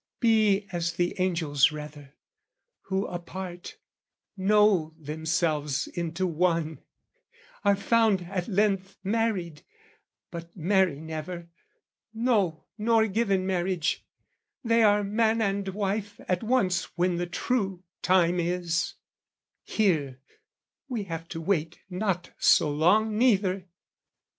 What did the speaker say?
Be as the angels rather, who, apart, Know themselves into one, are found at length Married, but marry never, no, nor give In marriage; they are man and wife at once When the true time is: here we have to wait Not so long neither!